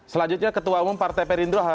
selanjutnya ketua umum partai perindro